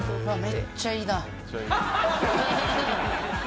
めっちゃいいな。